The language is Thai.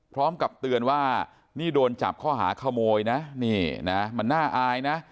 พร้อมกับเตือนว่านี่โดนจับข้อหาขโมยนะนี่นะมันน่าอายนะ